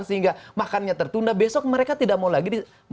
sehingga makannya tertunda besok mereka tidak mau lagi makan pada makan hari ini